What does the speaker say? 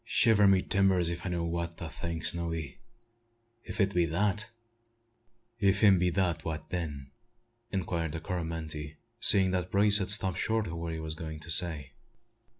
"Shiver my timbers if I know what to think, Snowy! If it be that " "Ef 'im be dat, wha' den?" inquired the Coromantee, seeing that Brace had stopped short in what he was going to say.